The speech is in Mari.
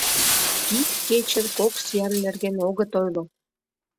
Ик кечын кок сӱан нерген огыт ойло.